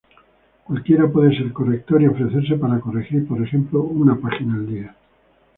Cualquiera puede ser corrector y ofrecerse para corregir, por ejemplo, una página al día.